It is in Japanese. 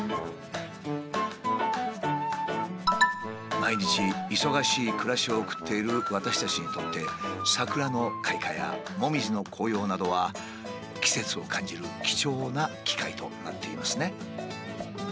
毎日忙しい暮らしを送っている私たちにとってサクラの開花やモミジの紅葉などは季節を感じる貴重な機会となっていますね。